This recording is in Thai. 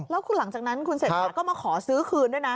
แล้วหลังจากนั้นคุณเศรษฐาก็มาขอซื้อคืนด้วยนะ